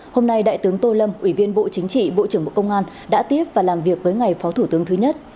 hôm nay đại tướng tô lâm ủy viên bộ chính trị bộ trưởng bộ công an đã tiếp và làm việc với ngài phó thủ tướng thứ nhất